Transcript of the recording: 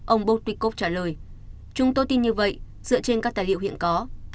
ông botikov trả lời chúng tôi tin như vậy dựa trên các tài liệu hiện có